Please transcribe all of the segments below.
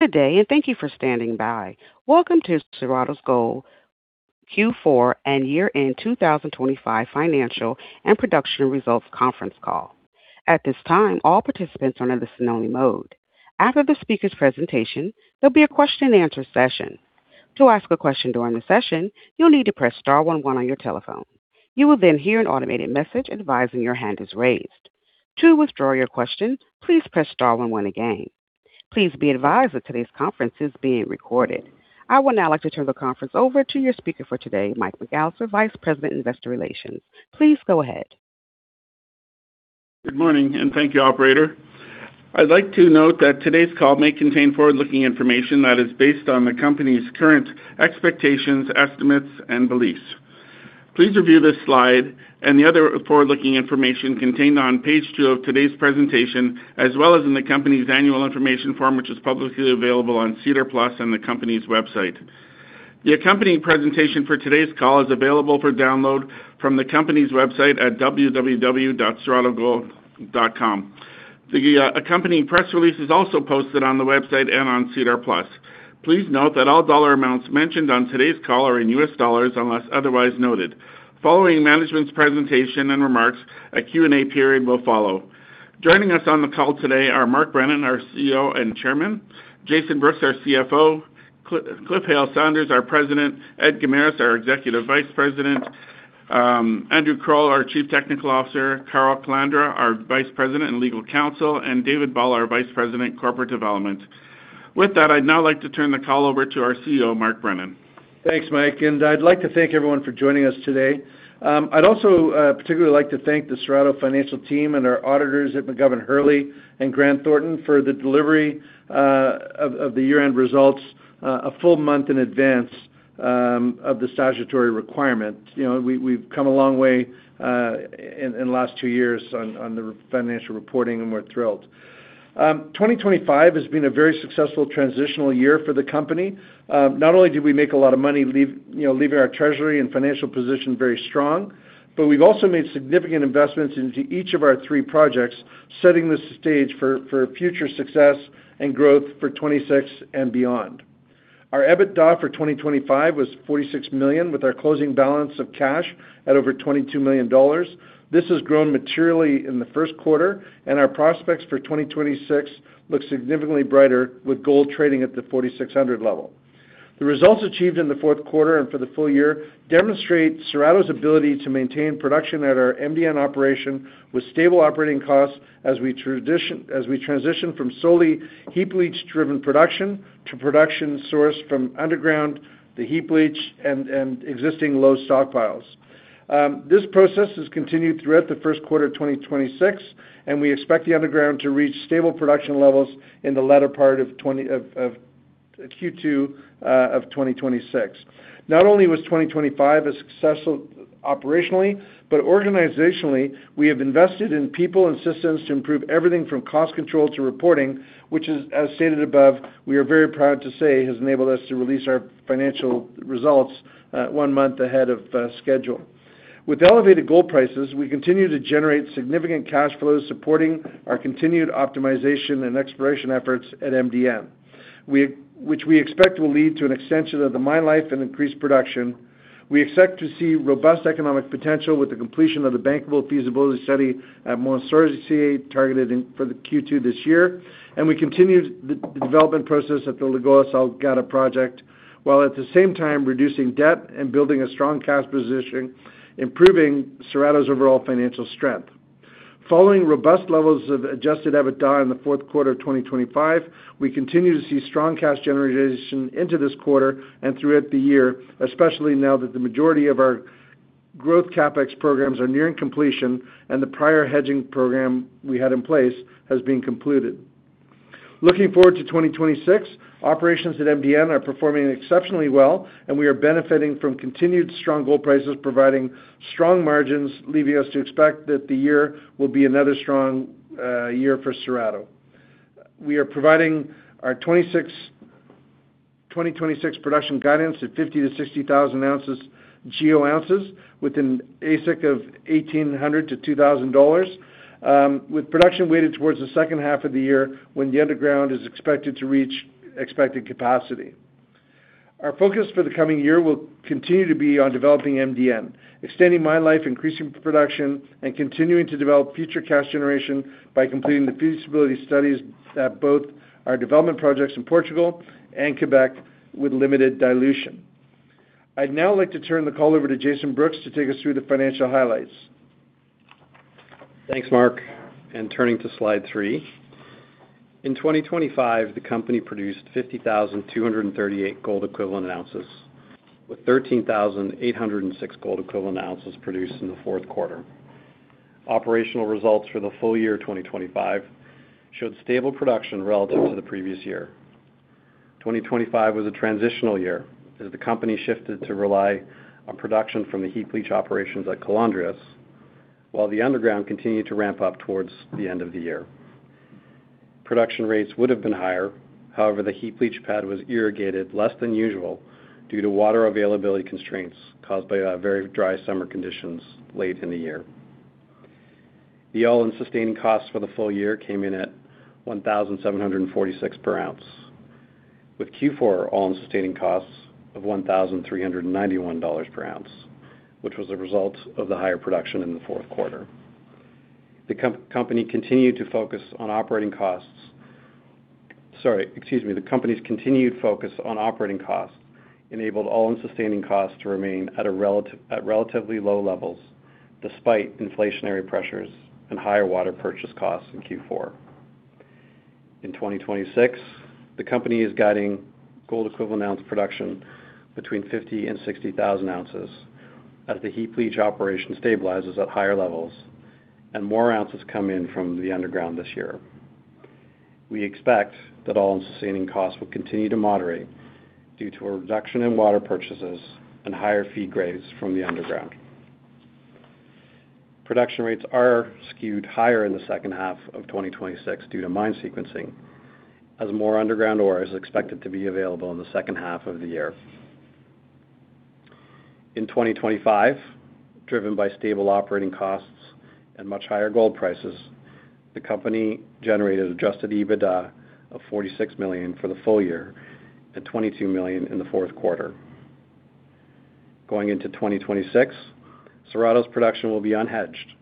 Good day and thank you for standing by. Welcome to Cerrado Gold Q4 and year-end 2025 financial and production results conference call. At this time, all participants are in a listen only mode. After the speaker's presentation, there'll be a question-and-answer session. To ask a question during the session, you'll need to press star one one on your telephone. You will then hear an automated message advising your hand is raised. To withdraw your question, please press star one one again. Please be advised that today's conference is being recorded. I would now like to turn the conference over to your speaker for today, Mike McAllister, Vice President, Investor Relations. Please go ahead. Good morning, and thank you, operator. I'd like to note that today's call may contain forward-looking information that is based on the company's current expectations, estimates, and beliefs. Please review this slide and the other forward-looking information contained on page 2 of today's presentation, as well as in the company's annual information form, which is publicly available on SEDAR+ and the company's website. The accompanying presentation for today's call is available for download from the company's website at www.cerradogold.com. The accompanying press release is also posted on the website and on SEDAR+. Please note that all dollar amounts mentioned on today's call are in U.S. dollars unless otherwise noted. Following management's presentation and remarks, a Q&A period will follow. Joining us on the call today are Mark Brennan, our CEO and Chairman, Jason Brooks, our CFO, Cliff Hale-Sanders, our President, Ed Guimaraes, our Executive Vice President, Andrew Croal, our Chief Technical Officer, Carl Calandra, our Vice President and Legal Counsel, and David Ball, our Vice President, Corporate Development. With that, I'd now like to turn the call over to our CEO, Mark Brennan. Thanks, Mike, and I'd like to thank everyone for joining us today. I'd also particularly like to thank the Cerrado Financial team and our auditors at McGovern Hurley and Grant Thornton for the delivery of the year-end results a full month in advance of the statutory requirement. You know, we've come a long way in the last two years on the financial reporting, and we're thrilled. 2025 has been a very successful transitional year for the company. Not only did we make a lot of money, you know, leaving our treasury and financial position very strong, but we've also made significant investments into each of our three projects, setting the stage for future success and growth for 2026 and beyond. Our EBITDA for 2025 was $46 million, with our closing balance of cash at over $22 million. This has grown materially in the first quarter, and our prospects for 2026 look significantly brighter with gold trading at the $4,600 level. The results achieved in the fourth quarter and for the full year demonstrate Cerrado's ability to maintain production at our MDN operation with stable operating costs as we transition from solely heap leach driven production to production sourced from underground, the heap leach and existing low stockpiles. This process has continued throughout the first quarter of 2026, and we expect the underground to reach stable production levels in the latter part of Q2 of 2026. Not only was 2025 successful operationally, but organizationally we have invested in people and systems to improve everything from cost control to reporting, which, as stated above, we are very proud to say has enabled us to release our financial results one month ahead of schedule. With elevated gold prices, we continue to generate significant cash flows, supporting our continued optimization and exploration efforts at MDN, which we expect will lead to an extension of the mine life and increased production. We expect to see robust economic potential with the completion of the bankable feasibility study at Mont Sorcier targeted for the Q2 this year. We continued the development process at the Lagoa Salgada project, while at the same time reducing debt and building a strong cash position, improving Cerrado's overall financial strength. Following robust levels of adjusted EBITDA in the fourth quarter of 2025, we continue to see strong cash generation into this quarter and throughout the year, especially now that the majority of our growth CapEx programs are nearing completion and the prior hedging program we had in place has been completed. Looking forward to 2026, operations at MDN are performing exceptionally well and we are benefiting from continued strong gold prices providing strong margins, leaving us to expect that the year will be another strong year for Cerrado. We are providing our 2026 production guidance at 50,000 GEO-60,000 GEO with an AISC of $1,800-$2,000, with production weighted towards the second half of the year when the underground is expected to reach expected capacity. Our focus for the coming year will continue to be on developing MDN, extending mine life, increasing production, and continuing to develop future cash generation by completing the feasibility studies at both our development projects in Portugal and Quebec with limited dilution. I'd now like to turn the call over to Jason Brooks to take us through the financial highlights. Thanks, Mark. Turning to slide 3. In 2025, the company produced 50,238 gold equivalent ounces, with 13,806 gold equivalent ounces produced in the fourth quarter. Operational results for the full-year 2025 showed stable production relative to the previous year. 2025 was a transitional year as the company shifted to rely on production from the heap leach operations at Las Calandrias, while the underground continued to ramp up towards the end of the year. Production rates would have been higher, however, the heap leach pad was irrigated less than usual due to water availability constraints caused by a very dry summer conditions late in the year. The all-in sustaining costs for the full year came in at $1,746/oz, with Q4 all-in sustaining costs of $1,391/oz, which was a result of the higher production in the fourth quarter. The company continued to focus on operating costs. Sorry, excuse me. The company's continued focus on operating costs enabled all-in sustaining costs to remain at relatively low levels despite inflationary pressures and higher water purchase costs in Q4. In 2026, the company is guiding gold equivalent ounce production between 50,000 oz and 60,000 oz as the heap leach operation stabilizes at higher levels and more ounces come in from the underground this year. We expect that all-in sustaining costs will continue to moderate due to a reduction in water purchases and higher feed grades from the underground. Production rates are skewed higher in the second half of 2026 due to mine sequencing, as more underground ore is expected to be available in the second half of the year. In 2025, driven by stable operating costs and much higher gold prices, the company generated adjusted EBITDA of $46 million for the full year and $22 million in the fourth quarter. Going into 2026, Cerrado's production will be unhedged,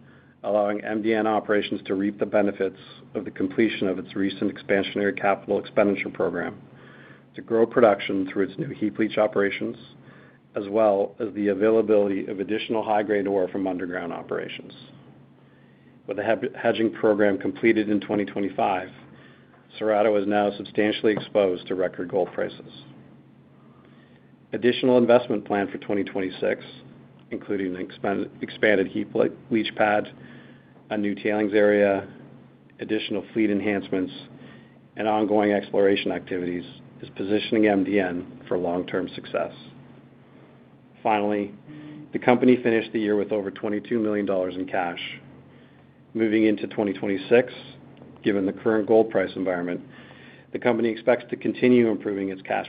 allowing MDN operations to reap the benefits of the completion of its recent expansionary capital expenditure program to grow production through its new heap leach operations, as well as the availability of additional high-grade ore from underground operations. With the hedging program completed in 2025, Cerrado is now substantially exposed to record gold prices. Additional investment plan for 2026, including an expanded heap leach pad, a new tailings area, additional fleet enhancements, and ongoing exploration activities, is positioning MDN for long-term success. Finally, the company finished the year with over $22 million in cash. Moving into 2026, given the current gold price environment, the company expects to continue improving its cash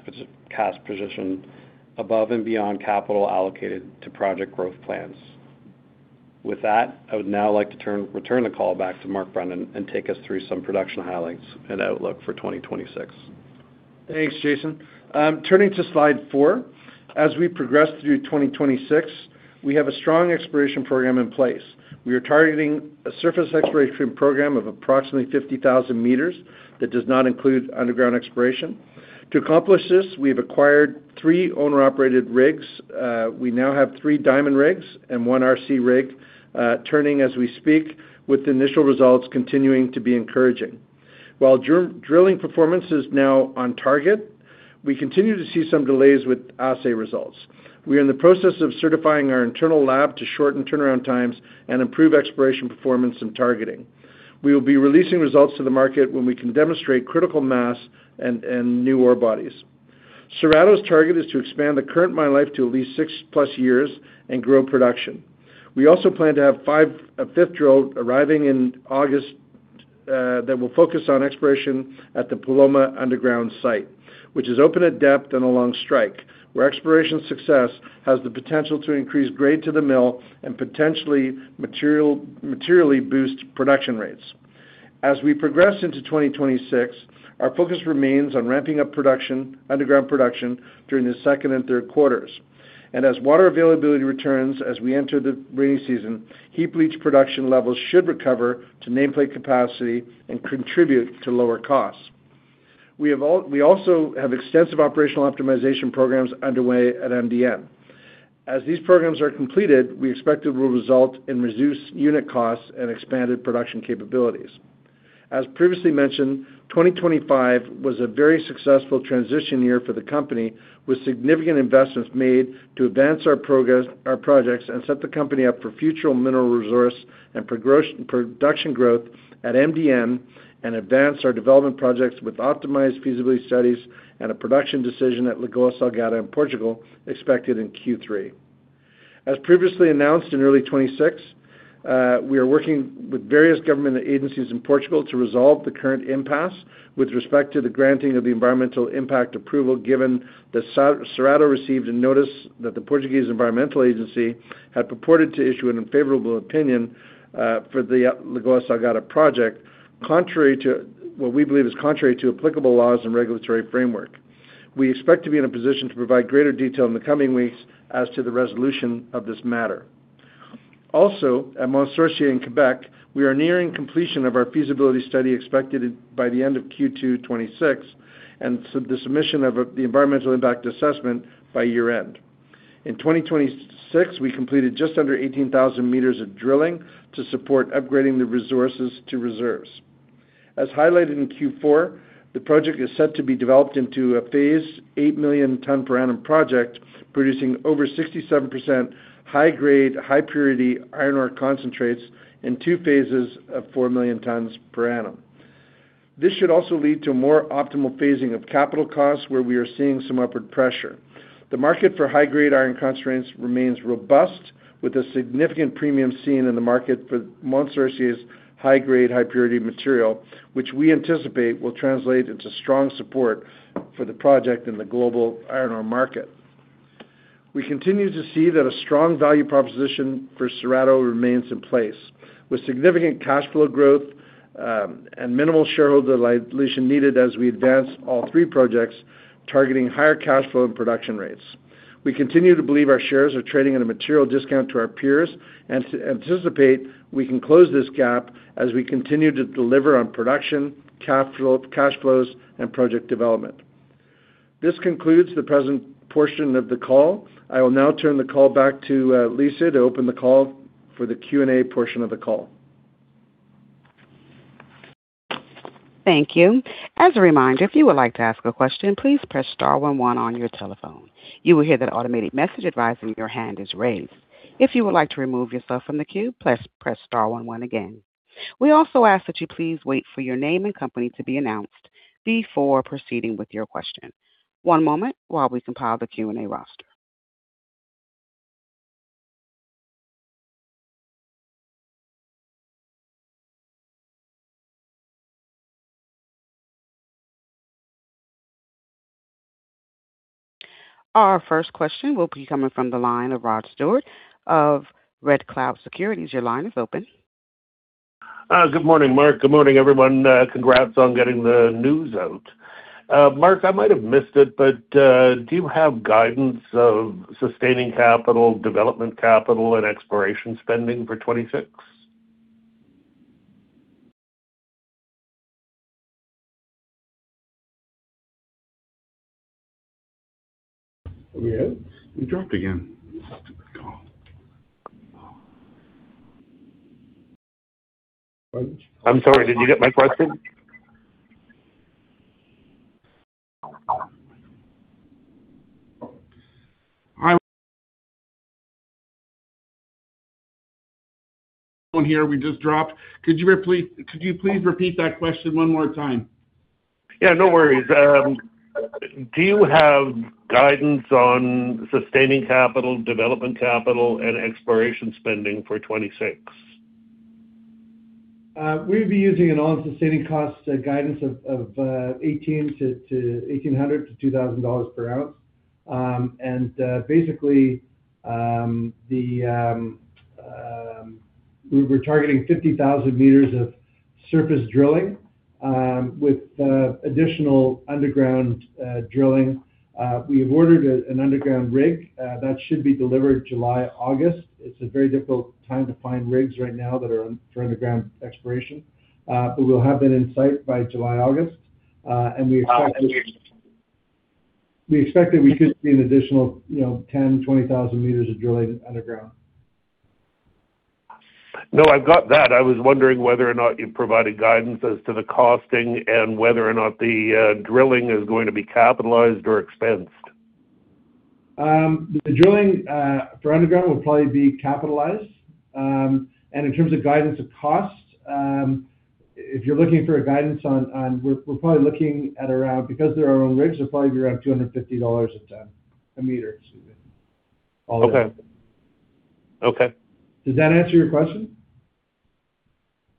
position above and beyond capital allocated to project growth plans. With that, I would now like to return the call back to Mark Brennan and take us through some production highlights and outlook for 2026. Thanks, Jason. Turning to slide 4. As we progress through 2026, we have a strong exploration program in place. We are targeting a surface exploration program of approximately 50,000 m that does not include underground exploration. To accomplish this, we have acquired three owner-operated rigs. We now have three diamond rigs and one RC rig turning as we speak, with initial results continuing to be encouraging. While drilling performance is now on target, we continue to see some delays with assay results. We are in the process of certifying our internal lab to shorten turnaround times and improve exploration performance and targeting. We will be releasing results to the market when we can demonstrate critical mass and new ore bodies. Cerrado's target is to expand the current mine life to at least six-plus years and grow production. We also plan to have a fifth drill arriving in August that will focus on exploration at the Paloma underground site, which is open at depth and along strike, where exploration success has the potential to increase grade to the mill and potentially materially boost production rates. As we progress into 2026, our focus remains on ramping up underground production during the second and third quarters. As water availability returns as we enter the rainy season, heap leach production levels should recover to nameplate capacity and contribute to lower costs. We also have extensive operational optimization programs underway at MDN. As these programs are completed, we expect it will result in reduced unit costs and expanded production capabilities. As previously mentioned, 2025 was a very successful transition year for the company, with significant investments made to advance our projects and set the company up for future mineral resource and production growth at MDN and advance our development projects with optimized feasibility studies and a production decision at Lagoa Salgada in Portugal expected in Q3. As previously announced in early 2026, we are working with various government agencies in Portugal to resolve the current impasse with respect to the granting of the environmental impact approval given that Cerrado received a notice that the Portuguese environmental agency had purported to issue an unfavorable opinion for the Lagoa Salgada project, contrary to what we believe is contrary to applicable laws and regulatory framework. We expect to be in a position to provide greater detail in the coming weeks as to the resolution of this matter. At Mont Sorcier in Quebec, we are nearing completion of our feasibility study expected by the end of Q2 2026, and the submission of the environmental impact assessment by year-end. In 2026, we completed just under 18,000 m of drilling to support upgrading the resources to reserves. As highlighted in Q4, the project is set to be developed into a phase 8 million ton per annum project, producing over 67% high grade, high purity iron ore concentrates in two phases of 4 million tons per annum. This should also lead to more optimal phasing of capital costs where we are seeing some upward pressure. The market for high-grade iron concentrates remains robust, with a significant premium seen in the market for Mont Sorcier's high-grade, high-purity material, which we anticipate will translate into strong support for the project in the global iron ore market. We continue to see that a strong value proposition for Cerrado remains in place, with significant cash flow growth and minimal shareholder dilution needed as we advance all three projects, targeting higher cash flow and production rates. We continue to believe our shares are trading at a material discount to our peers and we anticipate we can close this gap as we continue to deliver on production, cash flows, and project development. This concludes the present portion of the call. I will now turn the call back to Lisa to open the call for the Q&A portion of the call. Thank you. As a reminder, if you would like to ask a question, please press star one one on your telephone. You will hear that automated message advising your hand is raised. If you would like to remove yourself from the queue, press star one one again. We also ask that you please wait for your name and company to be announced before proceeding with your question. One moment while we compile the Q&A roster. Our first question will be coming from the line of Ron Stewart of Red Cloud Securities. Your line is open. Good morning, Mark. Good morning, everyone. Congrats on getting the news out. Mark, I might have missed it, but do you have guidance of sustaining capital, development capital, and exploration spending for 2026? Are we in? We dropped again. Stupid call. I'm sorry, did you get my question? On here, we just dropped. Could you please repeat that question one more time? Yeah, no worries. Do you have guidance on sustaining capital, development capital, and exploration spending for 2026? We'll be using an all-sustaining cost guidance of $1,800-$2,000/oz. We're targeting 50,000 m of surface drilling with additional underground drilling. We have ordered an underground rig that should be delivered July, August. It's a very difficult time to find rigs right now for underground exploration. We'll have that on site by July, August. We expect that we could see an additional, you know, 10.000 m-20,000 m of drilling underground. No, I've got that. I was wondering whether or not you provided guidance as to the costing and whether or not the drilling is going to be capitalized or expensed. The drilling for underground will probably be capitalized. In terms of guidance of cost, if you're looking for a guidance on, we're probably looking at around, because they're our own rigs, they're probably around $250/m.. Okay. Okay. Does that answer your question?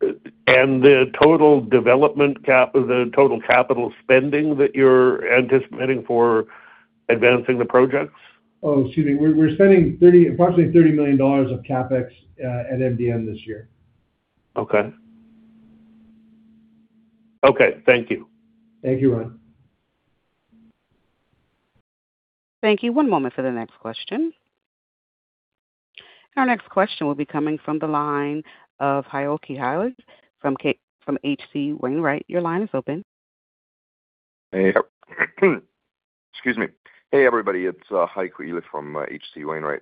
The total capital spending that you're anticipating for advancing the projects? Oh, excuse me. We're spending approximately $30 million of CapEx at MDN this year. Okay. Okay, thank you. Thank you, Ron. Thank you. One moment for the next question. Our next question will be coming from the line of Heiko Ihle from H.C. Wainwright. Your line is open. Hey. Excuse me. Hey, everybody. It's Heiko Ihle from H.C. Wainwright.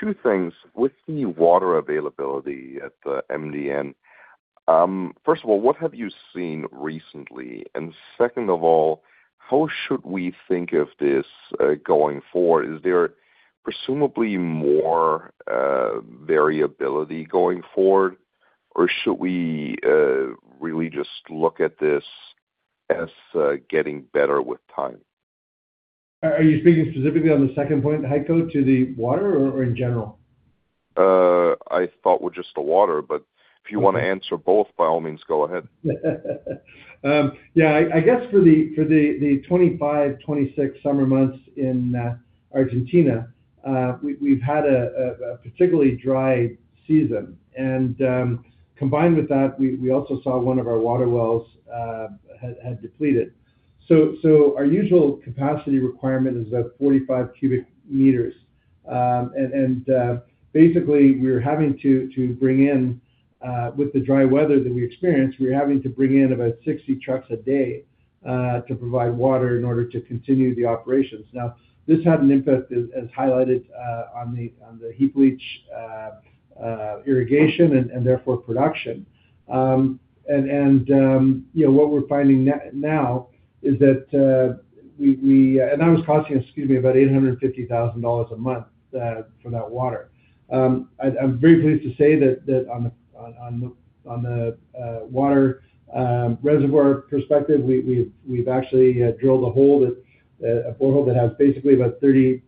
Two things. With the water availability at the MDN, first of all, what have you seen recently? Second of all, how should we think of this going forward? Is there presumably more variability going forward? Or should we really just look at this as getting better with time? Are you speaking specifically on the second point, Heiko, to the water or in general? I thought with just the water, but if you wanna answer both, by all means, go ahead. Yeah. I guess for the 2025-2026 summer months in Argentina, we've had a particularly dry season. Combined with that, we also saw one of our water wells had depleted. Our usual capacity requirement is about 45 cu m. Basically, with the dry weather that we experienced, we're having to bring in about 60 trucks a day to provide water in order to continue the operations. Now, this had an impact as highlighted on the heap leach irrigation and therefore production. You know, what we're finding now is that we— That was costing us, excuse me, about $850,000 a month for that water. I'm very pleased to say that on the water reservoir perspective, we've actually drilled a borehole that has basically about 30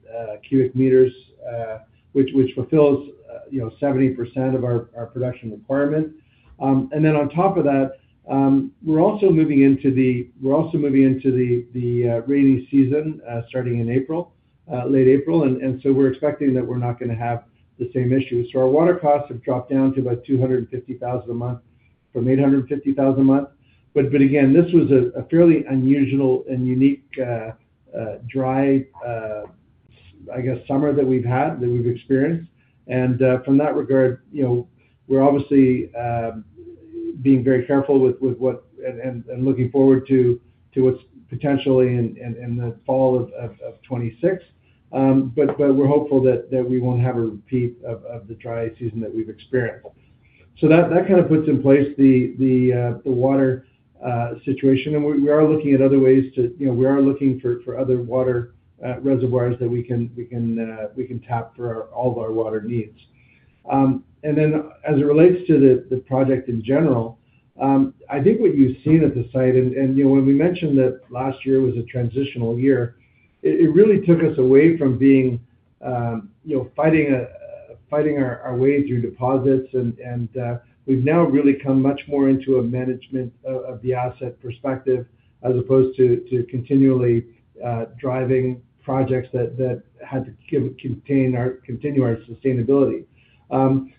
cu m, which fulfills, you know, 70% of our production requirement. Then on top of that, we're also moving into the rainy season starting in late April. We're expecting that we're not gonna have the same issue. Our water costs have dropped down to about $250,000 a month from $850,000 a month. Again, this was a fairly unusual and unique dry I guess summer that we've experienced. From that regard, you know, we're obviously being very careful with what we're looking forward to what's potentially in the fall of 2026. We're hopeful that we won't have a repeat of the dry season that we've experienced. That kind of puts in place the water situation. We are looking at other ways to, you know, we are looking for other water reservoirs that we can tap for all of our water needs. As it relates to the project in general, I think what you've seen at the site and, you know, when we mentioned that last year was a transitional year, it really took us away from being, you know, fighting our way through deposits. We've now really come much more into a management of the asset perspective as opposed to continually driving projects that had to contain or continue our sustainability. I'm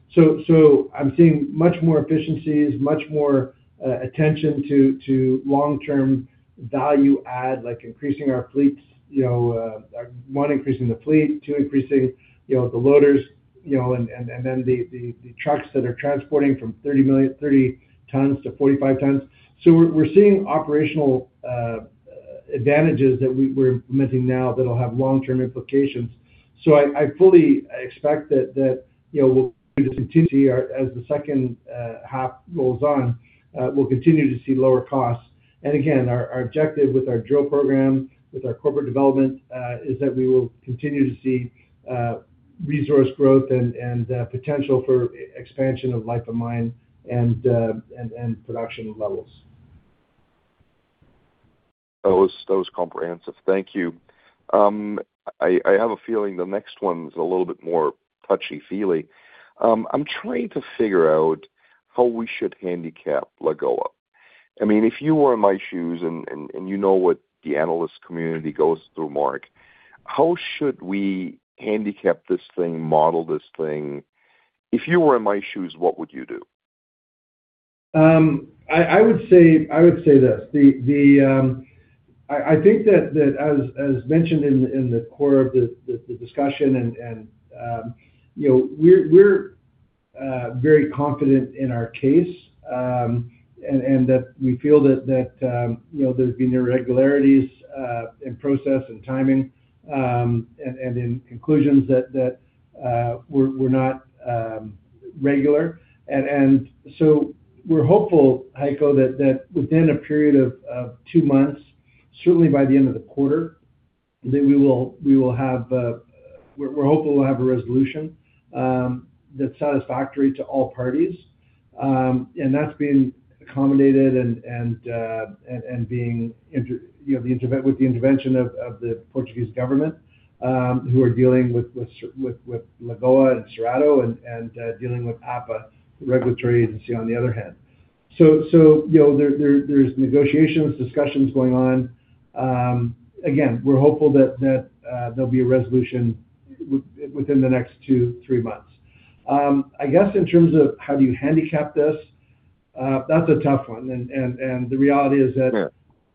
seeing much more efficiencies, much more attention to long-term value add, like increasing our fleets, you know, one, increasing the fleet, two, increasing the loaders, you know, and then the trucks that are transporting from 30 tons to 45 tons. We're seeing operational advantages that we're implementing now that'll have long-term implications. I fully expect that, you know, we'll continue to see, as the second half rolls on, we'll continue to see lower costs. Again, our objective with our drill program, with our corporate development, is that we will continue to see resource growth and potential for expansion of life of mine and production levels. That was comprehensive. Thank you. I have a feeling the next one's a little bit more touchy-feely. I'm trying to figure out how we should handicap Lagoa. I mean, if you were in my shoes and you know what the analyst community goes through, Mark, how should we handicap this thing, model this thing? If you were in my shoes, what would you do? I think that as mentioned in the core of the discussion and you know we're very confident in our case and that we feel that you know there's been irregularities in process and timing and in conclusions that were not regular. We're hopeful, Heiko, that within a period of two months, certainly by the end of the quarter, we'll have a resolution that's satisfactory to all parties. That's being accommodated you know, with the intervention of the Portuguese government, who are dealing with Lagoa and Cerrado and dealing with APA, the regulatory agency on the other hand. You know, there's negotiations, discussions going on. Again, we're hopeful that there'll be a resolution within the next two to three months. I guess in terms of how do you handicap this, that's a tough one. The reality is that,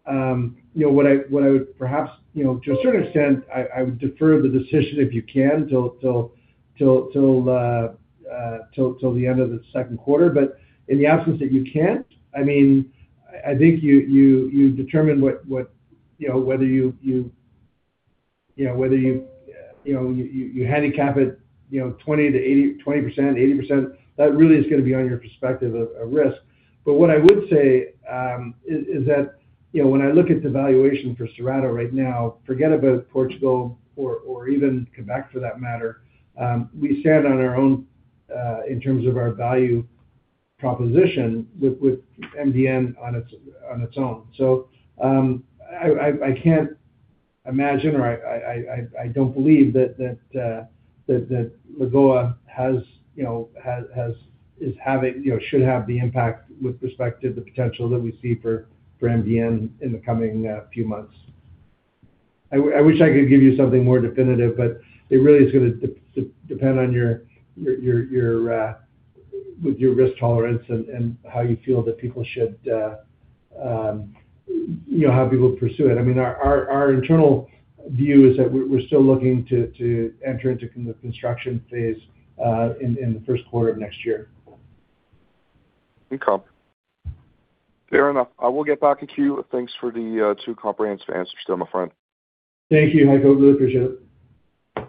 you know, what I would perhaps, you know, to a certain extent, I would defer the decision if you can till the end of the second quarter. In the absence that you can't, I mean, I think you determine what, you know, whether you handicap it, you know, 20%-80%. That really is gonna be on your perspective of risk. What I would say is that, you know, when I look at the valuation for Cerrado right now, forget about Portugal or even Quebec for that matter, we stand on our own in terms of our value proposition with MDN on its own. I can't imagine or I don't believe that Lagoa has, you know, has, is having, you know, should have the impact with respect to the potential that we see for MDN in the coming few months. I wish I could give you something more definitive, but it really is gonna depend on your risk tolerance and how you feel that people should, you know, how people pursue it. I mean, our internal view is that we're still looking to enter into the construction phase in the first quarter of next year. Okay. Fair enough. I will get back to you. Thanks for the two comprehensive answers there, my friend. Thank you, Heiko. Really appreciate it.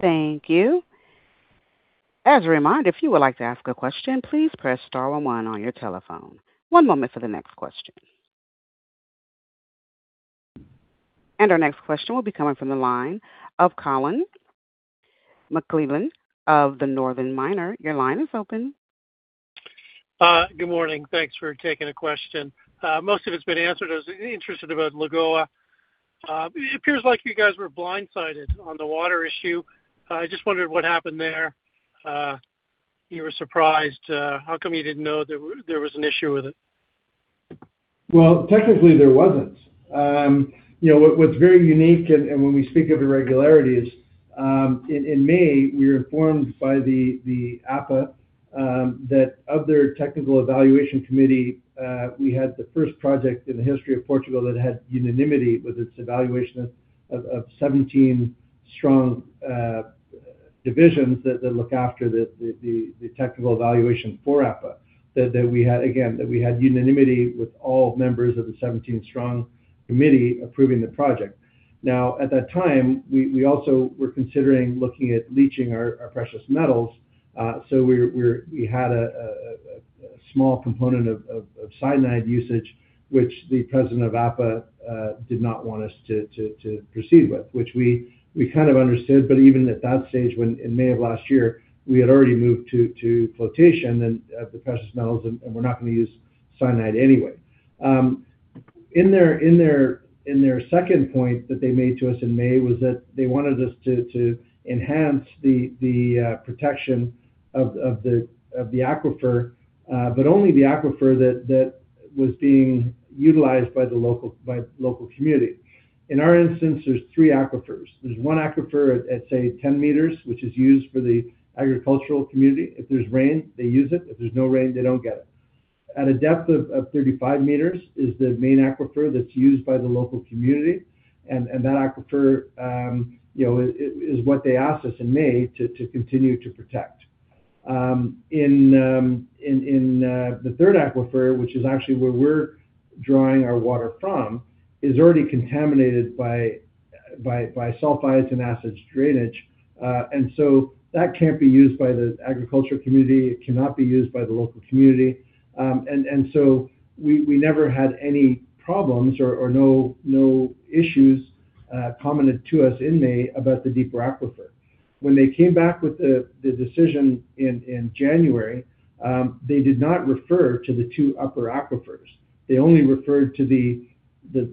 Thank you. As a reminder, if you would like to ask a question, please press star one on your telephone. One moment for the next question. Our next question will be coming from the line of Colin McClelland of The Northern Miner. Your line is open. Good morning. Thanks for taking the question. Most of it's been answered. I was interested about Lagoa. It appears like you guys were blindsided on the water issue. I just wondered what happened there. You were surprised. How come you didn't know there was an issue with it? Well, technically, there wasn't. You know, what's very unique and when we speak of irregularities, in May, we were informed by the APA that of their technical evaluation committee, we had the first project in the history of Portugal that had unanimity with its evaluation of 17 strong divisions that look after the technical evaluation for APA. That we had, again, that we had unanimity with all members of the 17 strong committee approving the project. Now, at that time, we also were considering looking at leaching our precious metals, so we had a small component of cyanide usage, which the president of APA did not want us to proceed with, which we kind of understood. Even at that stage when in May of last year, we had already moved to flotation and the precious metals, and we're not gonna use cyanide anyway. In their second point that they made to us in May was that they wanted us to enhance the protection of the aquifer, but only the aquifer that was being utilized by the local community. In our instance, there's three aquifers. There's one aquifer at, say, 10 m, which is used for the agricultural community. If there's rain, they use it. If there's no rain, they don't get it. At a depth of 35 m is the main aquifer that's used by the local community. That aquifer, you know, is what they asked us in May to continue to protect. The third aquifer, which is actually where we're drawing our water from, is already contaminated by sulfides and acid drainage. That can't be used by the agriculture community. It cannot be used by the local community. We never had any problems or no issues commented to us in May about the deeper aquifer. When they came back with the decision in January, they did not refer to the two upper aquifers. They only referred to the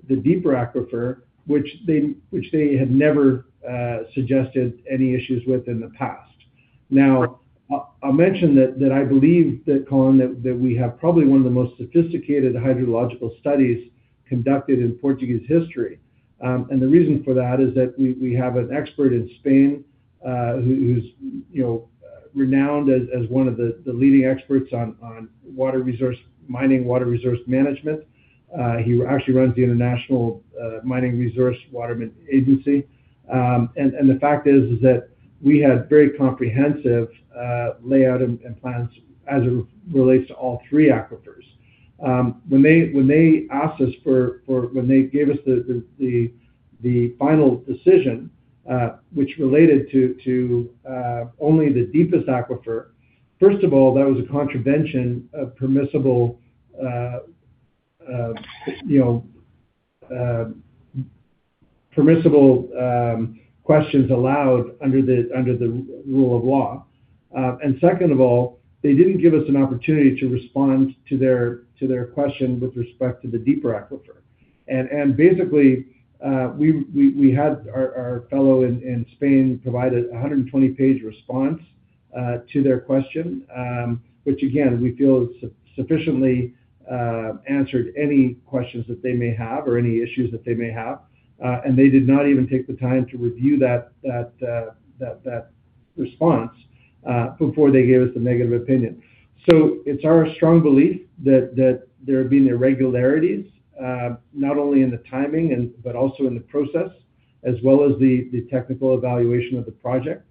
deeper aquifer, which they had never suggested any issues with in the past. Now, I'll mention that I believe, Colin, that we have probably one of the most sophisticated hydrological studies conducted in Portuguese history. The reason for that is that we have an expert in Spain who's, you know, renowned as one of the leading experts on water resources, mine water resources management. He actually runs the International Mine Water Association. The fact is that we had very comprehensive layout and plans as it relates to all three aquifers. When they gave us the final decision, which related to only the deepest aquifer. First of all, that was a contravention of permissible questions allowed under the rule of law. Second of all, they didn't give us an opportunity to respond to their question with respect to the deeper aquifer. Basically, we had our fellow in Spain provided a 120-page response to their question, which again, we feel sufficiently answered any questions that they may have or any issues that they may have. They did not even take the time to review that response before they gave us the negative opinion. It's our strong belief that there have been irregularities, not only in the timing and, but also in the process as well as the technical evaluation of the project.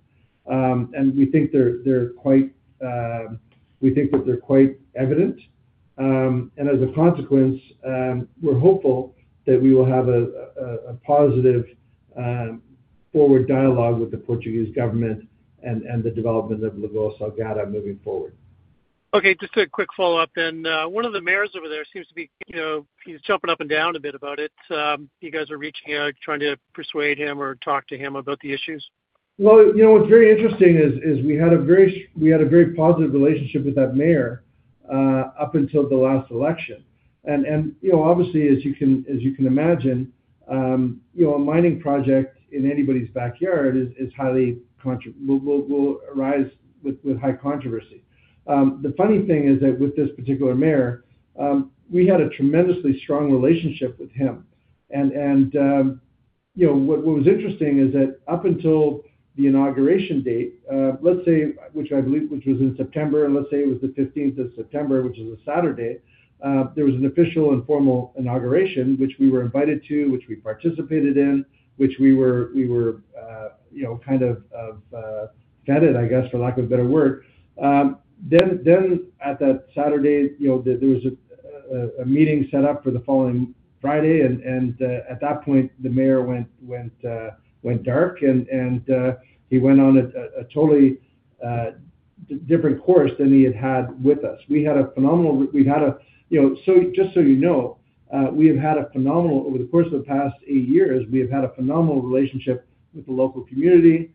We think that they're quite evident. As a consequence, we're hopeful that we will have a positive forward dialogue with the Portuguese government and the development of Lagoa Salgada moving forward. Okay, just a quick follow-up then. One of the mayors over there seems to be, you know, he's jumping up and down a bit about it. You guys are reaching out, trying to persuade him or talk to him about the issues? Well, you know, what's very interesting is we had a very positive relationship with that mayor up until the last election. You know, obviously, as you can imagine, you know, a mining project in anybody's backyard is highly controversial. The funny thing is that with this particular mayor, we had a tremendously strong relationship with him. What was interesting is that up until the inauguration date, let's say, which I believe was in September, let's say it was the 15th of September, which is a Saturday, there was an official and formal inauguration, which we were invited to, which we participated in, which we were you know kind of feted, I guess, for lack of a better word. At that Saturday, you know, there was a meeting set up for the following Friday, and at that point, the mayor went dark and he went on a totally different course than he had had with us. We had a phenomenal, we had a— You know, just so you know, over the course of the past eight years, we have had a phenomenal relationship with the local community,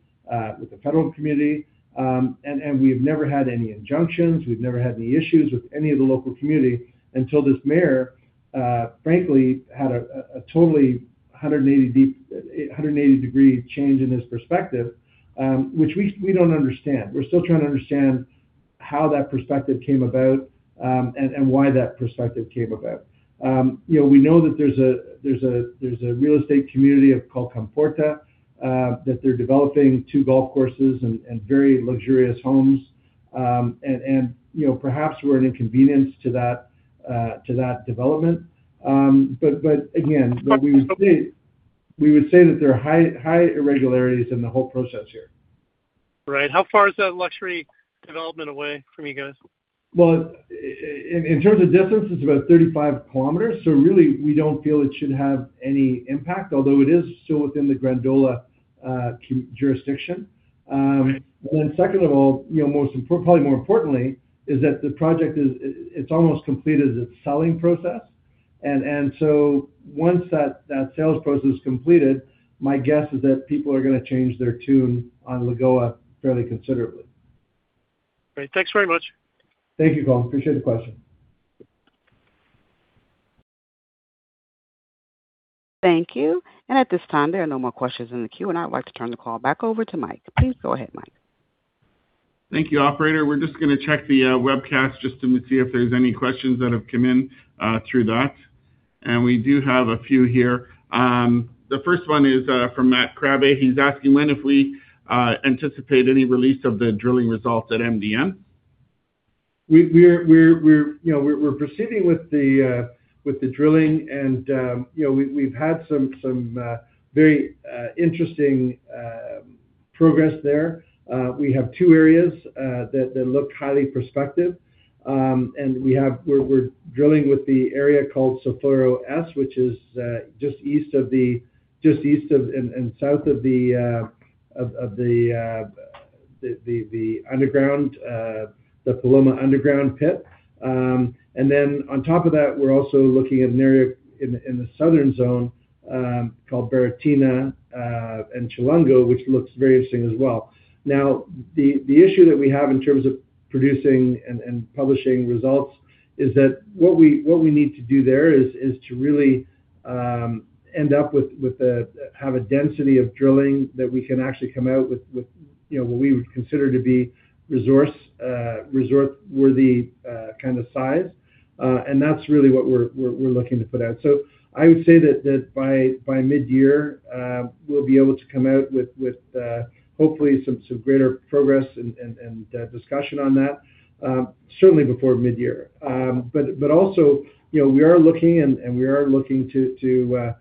with the federal community, and we've never had any injunctions. We've never had any issues with any of the local community until this mayor frankly had a totally 180-degree change in his perspective, which we don't understand. We're still trying to understand how that perspective came about, and why that perspective came about. You know, we know that there's a real estate community called Comporta that they're developing two golf courses and very luxurious homes. You know, perhaps we're an inconvenience to that development. Again, what we would say is that there are high irregularities in the whole process here. Right. How far is that luxury development away from you guys? Well, in terms of distance, it's about 35 km. Really, we don't feel it should have any impact, although it is still within the Grândola jurisdiction. Second of all, you know, probably more importantly, is that the project is, it's almost completed its selling process. Once that sales process is completed, my guess is that people are gonna change their tune on Lagoa fairly considerably. Great. Thanks very much. Thank you, Colin. I appreciate the question. Thank you. At this time, there are no more questions in the queue, and I'd like to turn the call back over to Mike. Please go ahead, Mike. Thank you, operator. We're just gonna check the webcast just to see if there's any questions that have come in through that. We do have a few here. The first one is from Matt Crabbe. He's asking when if we anticipate any release of the drilling results at MDN. We're proceeding with the drilling, you know, we've had some very interesting progress there. We have two areas that look highly prospective. We're drilling with the area called Sulfuro S, which is just east of and south of the Paloma underground pit. On top of that, we're also looking at an area in the southern zone called Baritina and Chulengo, which looks very interesting as well. Now, the issue that we have in terms of producing and publishing results is that what we need to do there is to really have a density of drilling that we can actually come out with, you know, what we would consider to be resource worthy kind of size. That's really what we're looking to put out. I would say that by mid-year, we'll be able to come out with hopefully some greater progress and discussion on that, certainly before mid-year. Also, you know, we are looking to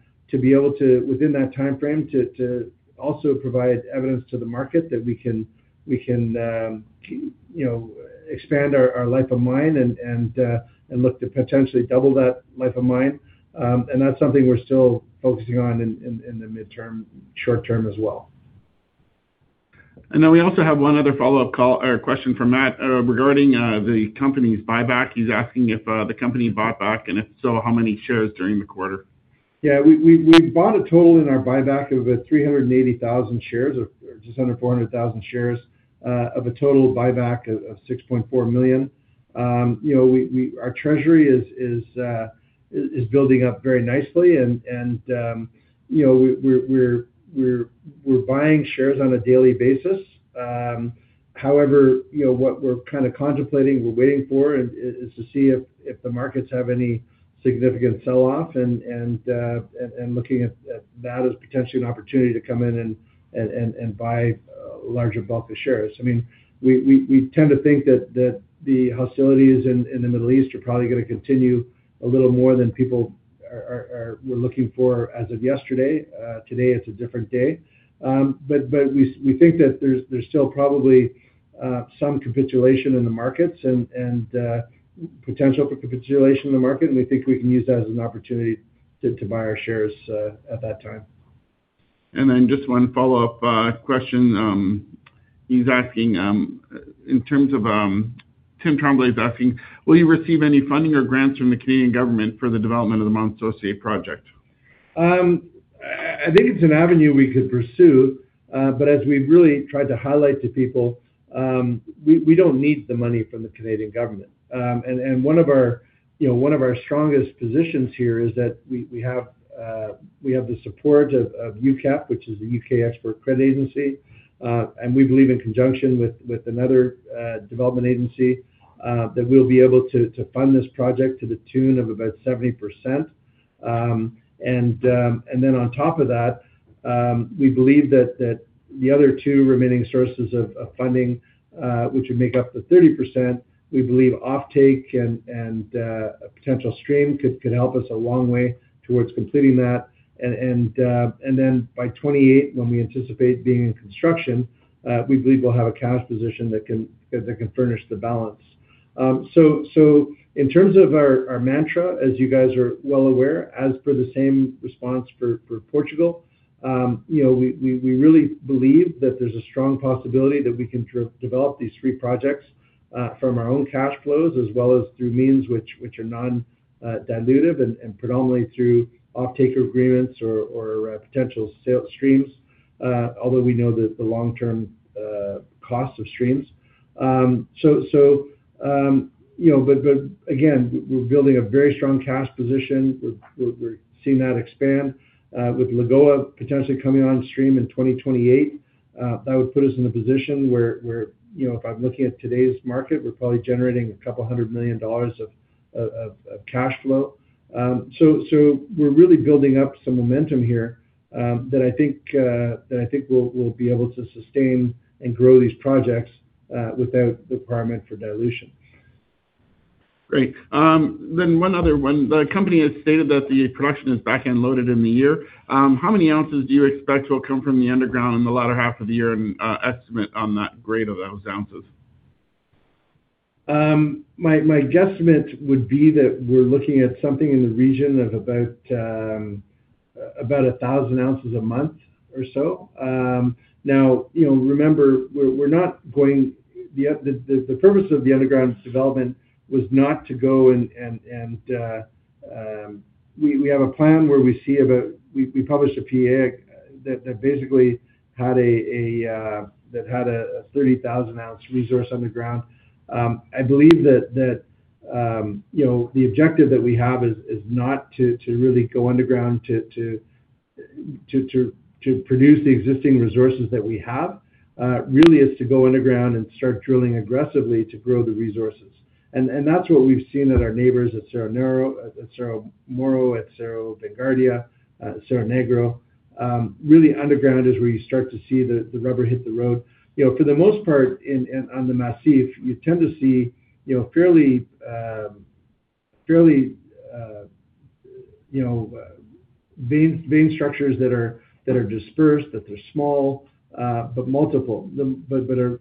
be able to, within that timeframe, also provide evidence to the market that we can, you know, expand our life of mine and look to potentially double that life of mine. That's something we're still focusing on in the midterm, short term as well. We also have one other follow-up call or question from Matt regarding the company's buyback. He's asking if the company bought back, and if so, how many shares during the quarter? Yeah. We bought a total in our buyback of about 380,000 shares or just under 400,000 shares of a total buyback of 6.4 million. You know, our treasury is building up very nicely and you know, we're buying shares on a daily basis. However, you know, what we're kinda contemplating, we're waiting for is to see if the markets have any significant sell-off and looking at that as potentially an opportunity to come in and buy a larger bulk of shares. I mean, we tend to think that the hostilities in the Middle East are probably gonna continue a little more than people were looking for as of yesterday. Today it's a different day. We think that there's still probably some capitulation in the markets and potential for capitulation in the market, and we think we can use that as an opportunity to buy our shares at that time. Just one follow-up question. He's asking, in terms of, Eric Tremblay's asking, will you receive any funding or grants from the Canadian government for the development of the Mont Sorcier project? I think it's an avenue we could pursue, but as we've really tried to highlight to people, we don't need the money from the Canadian government. One of our, you know, strongest positions here is that we have the support of UKEF, which is the U.K. Export Credit Agency, and we believe in conjunction with another development agency that we'll be able to fund this project to the tune of about 70%. On top of that, we believe that the other two remaining sources of funding, which would make up the 30%, we believe offtake and potential stream could help us a long way towards completing that. Then by 2028, when we anticipate being in construction, we believe we'll have a cash position that can furnish the balance. In terms of our mantra, as you guys are well aware, as per the same response for Portugal, you know, we really believe that there's a strong possibility that we can develop these three projects from our own cash flows, as well as through means which are non-dilutive and predominantly through offtaker agreements or potential sales streams, although we know that the long-term costs of streams. You know, again, we're building a very strong cash position. We're seeing that expand with Lagoa potentially coming on stream in 2028, that would put us in a position where you know, if I'm looking at today's market, we're probably generating $200 million of cash flow. So we're really building up some momentum here, that I think we'll be able to sustain and grow these projects without the requirement for dilution. Great. One other one. The company has stated that the production is back-end loaded in the year. How many ounces do you expect will come from the underground in the latter half of the year and estimate on that grade of those ounces? My guesstimate would be that we're looking at something in the region of about 1,000 oz/month or so. Now, you know, remember, the purpose of the underground development was not to go and we have a plan where we see about. We published a PEA that basically had a 30,000 oz resource underground. I believe that, you know, the objective that we have is not to really go underground to produce the existing resources that we have. Really is to go underground and start drilling aggressively to grow the resources. That's what we've seen at our neighbors at Cerro Negro, at Cerro Moro, at Cerro Vanguardia, at Cerro Negro. Really underground is where you start to see the rubber hit the road. You know, for the most part in on the massif, you tend to see, you know, fairly vein structures that are dispersed, that they are small, but multiple. They are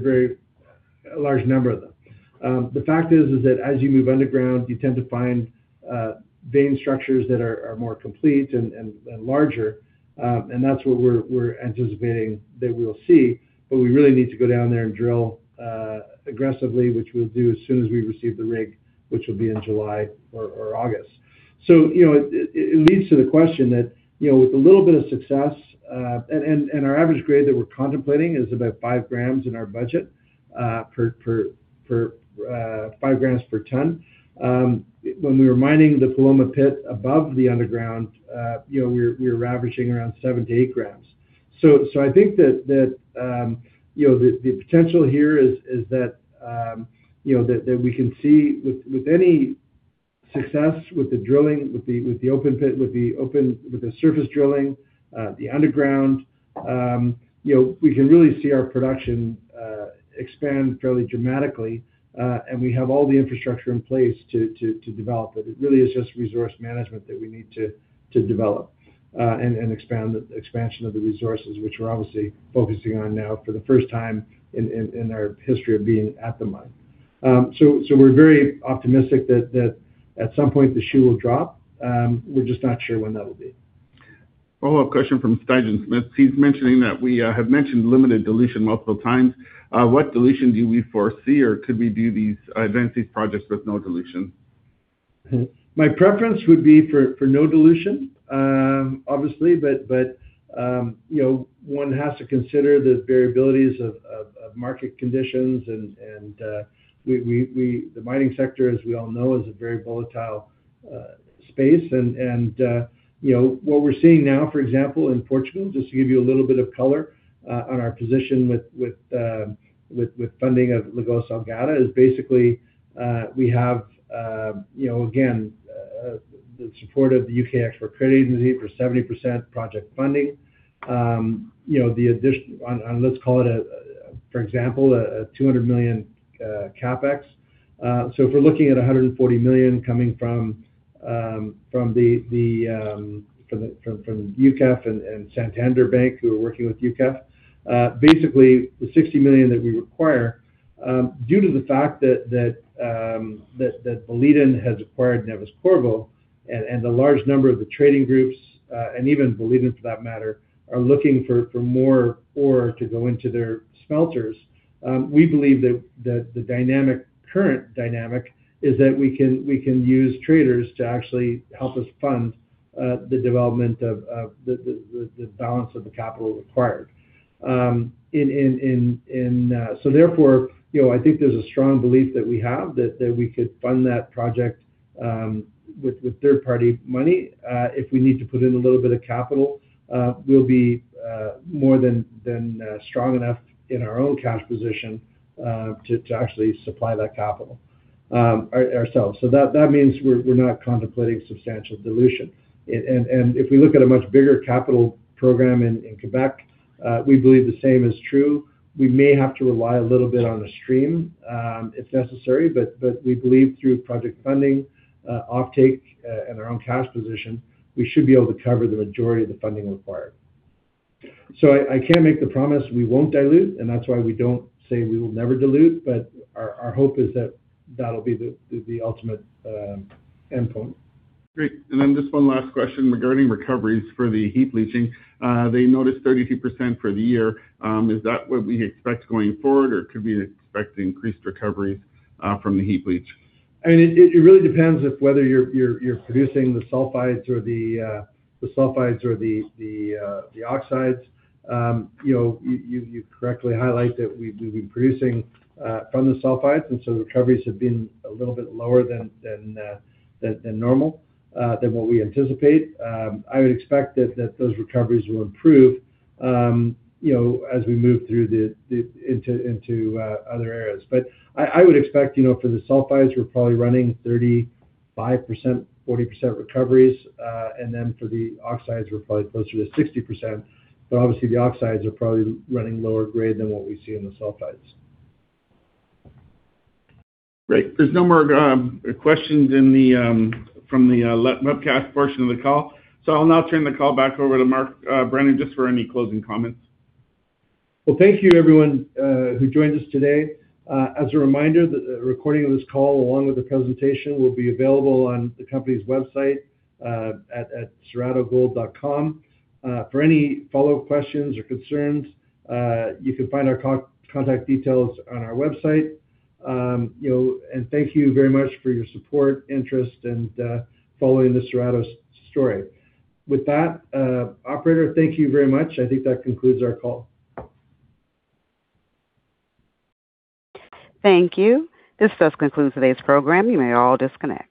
a large number of them. The fact is that as you move underground, you tend to find vein structures that are more complete and larger. That's what we're anticipating that we'll see. We really need to go down there and drill aggressively, which we'll do as soon as we receive the rig, which will be in July or August. It leads to the question that, you know, with a little bit of success, and our average grade that we're contemplating is about 5 g/ton in our budget. When we were mining the Paloma pit above the underground, you know, we're averaging 7 g-8 g. I think that, you know, the potential here is that, you know, that we can see with any success with the drilling, with the open pit, with the surface drilling, the underground, you know, we can really see our production expand fairly dramatically. We have all the infrastructure in place to develop it. It really is just resource management that we need to develop and expand the expansion of the resources, which we're obviously focusing on now for the first time in our history of being at the mine. We're very optimistic that at some point the shoe will drop. We're just not sure when that'll be. Follow-up question from Stijn. He's mentioning that we have mentioned limited dilution multiple times. What dilution do we foresee, or could we do these, advance these projects with no dilution? My preference would be for no dilution, obviously. You know, one has to consider the variabilities of market conditions. The mining sector, as we all know, is a very volatile space. You know, what we're seeing now, for example, in Portugal, just to give you a little bit of color, on our position with funding of Lagoa Salgada, is basically, we have, you know, again, the support of the U.K. Export Credit Agency for 70% project funding. You know, the addition—On, let's call it a, for example, a $200 million CapEx. If we're looking at $140 million coming from UKEF and Santander Bank, who are working with UKEF. Basically, the $60 million that we require due to the fact that Boliden has acquired Neves-Corvo and the large number of the trading groups, and even Boliden for that matter, are looking for more ore to go into their smelters. We believe that the current dynamic is that we can use traders to actually help us fund the development of the balance of the capital required. Therefore, you know, I think there's a strong belief that we have that we could fund that project with third-party money. If we need to put in a little bit of capital, we'll be more than strong enough in our own cash position to actually supply that capital ourselves. That means we're not contemplating substantial dilution. If we look at a much bigger capital program in Quebec, we believe the same is true. We may have to rely a little bit on the stream if necessary, but we believe through project funding, offtake, and our own cash position, we should be able to cover the majority of the funding required. I can't make the promise we won't dilute, and that's why we don't say we will never dilute. Our hope is that that'll be the ultimate endpoint. Great. Then just one last question regarding recoveries for the heap leaching. They noticed 32% for the year. Is that what we expect going forward, or could we expect increased recovery from the heap leach? I mean, it really depends on whether you're producing the sulfides or the oxides. You know, you correctly highlight that we've been producing from the sulfides, and so the recoveries have been a little bit lower than normal than what we anticipate. I would expect that those recoveries will improve, you know, as we move into other areas. I would expect, you know, for the sulfides, we're probably running 35%-40% recoveries. Then for the oxides, we're probably closer to 60%. Obviously, the oxides are probably running lower grade than what we see in the sulfides. Great. There's no more questions from the webcast portion of the call. I'll now turn the call back over to Mark Brennan just for any closing comments. Well, thank you everyone who joined us today. As a reminder, the recording of this call, along with the presentation, will be available on the company's website at cerradogold.com. For any follow-up questions or concerns, you can find our contact details on our website. You know, and thank you very much for your support, interest, and following the Cerrado story. With that, operator, thank you very much. I think that concludes our call. Thank you. This does conclude today's program. You may all disconnect.